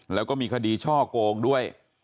แล้วก็มีคดีช่อโกงด้วย